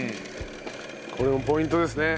これもポイントですね。